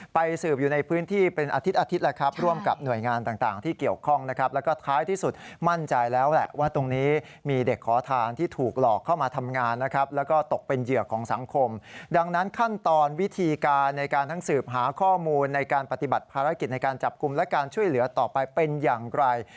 ภาระกิจในการจับกลุ่มและการช่วยเหลือต่อไปเป็นอย่างไร